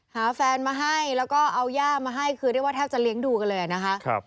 หาแฟนมาให้แล้วก็เอาย่ามาให้คือเรียกว่าแทบจะเลี้ยงดูกันเลยนะคะ